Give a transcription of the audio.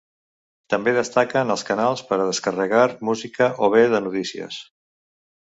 També destaquen els canals per a descarregar música o bé de notícies.